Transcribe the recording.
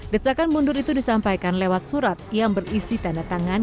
desakan mundur itu disampaikan lewat surat yang berisi tanda tangan